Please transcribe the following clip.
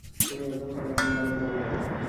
তিনি একজন কন্যাসন্তানের জন্ম দেন।